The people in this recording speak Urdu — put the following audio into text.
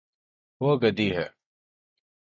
وہ گدی ہے